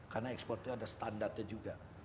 karena ekspor itu ada standartnya juga